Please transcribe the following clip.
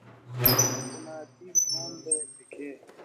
Unaathiri ng'ombe pekee